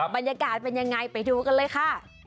บรรยากาศเป็นยังไงไปดูกันเลยค่ะ